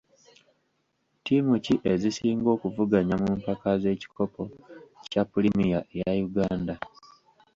Ttiimu ki ezisinga okuvuganya mu mpaka z'ekikopo kya pulimiya eya Uganda?